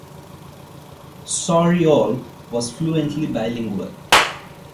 Sauriol was fluently bilingual.